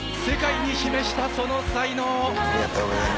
世界に示した、その才能。